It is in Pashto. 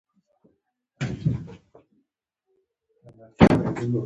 تر ټولو لویه بهانه د طالب نوم دی.